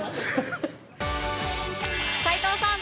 齊藤さん